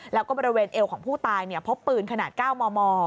แล้วก็บริเวณเอวของผู้ตายพบปืนขนาด๙มม